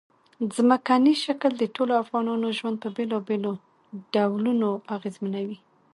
ځمکنی شکل د ټولو افغانانو ژوند په بېلابېلو ډولونو اغېزمنوي.